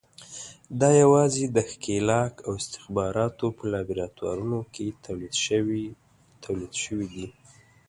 دا یوازې د ښکېلاک او استخباراتو په لابراتوارونو کې تولید شوي دي.